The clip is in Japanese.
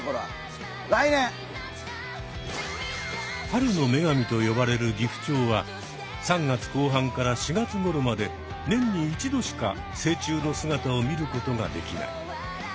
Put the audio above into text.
春の女神と呼ばれるギフチョウは３月後半から４月ごろまで年に一度しか成虫の姿を見ることができない。